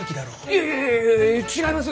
いやいやいや違います！